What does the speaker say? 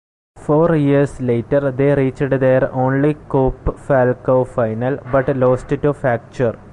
Four years later they reached their only Coupe Falcou final but lost to Facture.